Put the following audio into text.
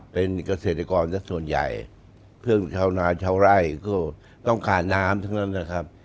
เป็นเกษตรกรสักส่วนใหญ่เพื่อนชาวนาชาวไร่ก็ต้องการน้ำทั้งนั้นนะครับ